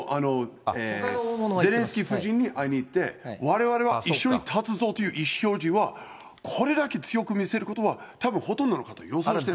ゼレンスキーに会いに行って、われわれは一緒に立つぞという意思表示は、これだけ強く見せることは、たぶんほとんどの方予想してなかった。